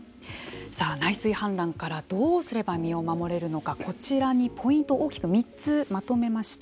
さあ、内水氾濫からどうすれば身を守れるのかこちらにポイントを大きく３つまとめてみました。